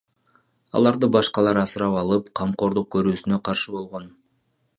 Аларды башкалар асырап алып, камкордук көрүүсүнө каршы болгон.